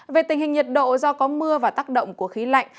về tình hình nhiệt độ do có mưa và tác động của khí lạnh